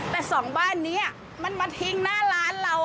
แต่สองบ้านนี้มันมาทิ้งหน้าร้านเรา